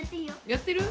やってる？